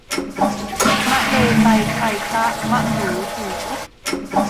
มะเลไตไคลคละมะหรูจู๋